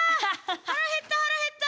腹減った腹減った！